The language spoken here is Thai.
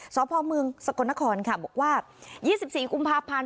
สพเมืองสกลนครค่ะบอกว่ายี่สิบสี่กุ่มพาพันธุ์